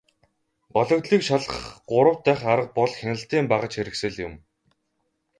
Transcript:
Гологдлыг шалгах гурав дахь арга бол хяналтын багажхэрэгслэл юм.